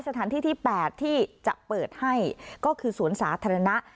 สถานที่ที่๘ที่จะเปิดให้ก็คือสวนสาธารณะ